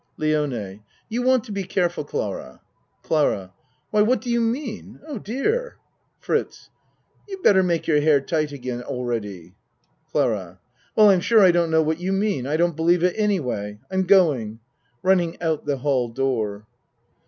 LIONE You want to be careful, Clara. CLARA Why what do you mean? Oh, dear! FRITZ You better make your hair tight again already. CLARA Well I'm sure I don't know what you mean. I don't believe it any way. I'm going. (Running out the hall door.)